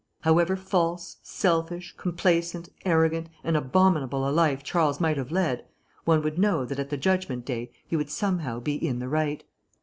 However false, selfish, complacent, arrogant, and abominable a life Charles might have led, one would know that at the Judgment Day he would somehow be in the right....